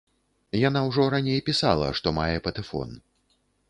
Яна ўжо раней пісала, што мае патэфон.